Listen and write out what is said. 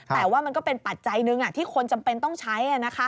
แต่ว่ามันก็เป็นปัจจัยหนึ่งที่คนจำเป็นต้องใช้